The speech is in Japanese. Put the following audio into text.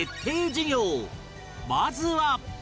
まずは